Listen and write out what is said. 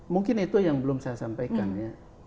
mungkin itu yang belum saya sampaikan ya